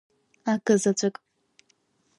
Акызаҵәык…